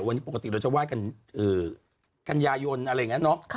วันนี้ปกติเราจะไหว้กันกันยายนอะไรอย่างนี้เนอะ